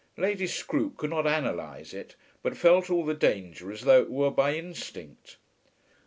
Lady Scroope could not analyse it, but felt all the danger as though it were by instinct.